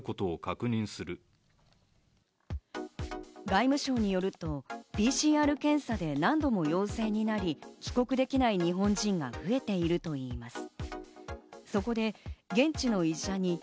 外務省によると、ＰＣＲ検査で何度も陽性になり、帰国できない日本人が増えているといいます。